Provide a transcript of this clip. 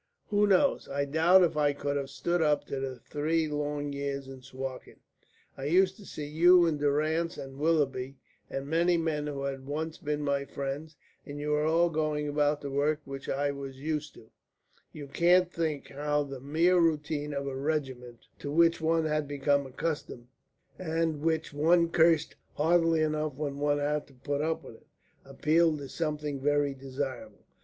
Who knows? I doubt if I could have stood up to the three long years in Suakin. I used to see you and Durrance and Willoughby and many men who had once been my friends, and you were all going about the work which I was used to. You can't think how the mere routine of a regiment to which one had become accustomed, and which one cursed heartily enough when one had to put up with it, appealed as something very desirable. I could so easily have run away.